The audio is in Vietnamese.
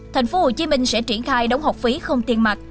thành phố hồ chí minh sẽ triển khai đóng học phí không tiền mặt